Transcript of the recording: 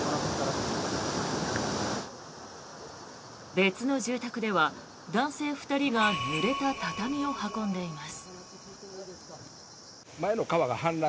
別の住宅では男性２人がぬれた畳を運んでいます。